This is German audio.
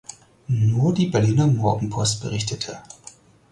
Nur die Berliner Morgenpost berichtete.